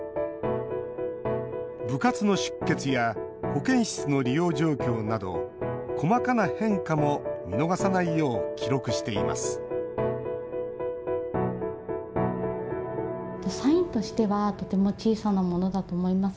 部活の出欠や保健室の利用状況など細かな変化も見逃さないよう記録しています失礼します。